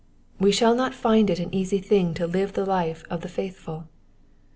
We shall not find it an easy thing to live the life of the faith ful.